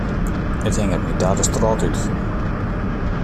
It hinget my ta de strôt út.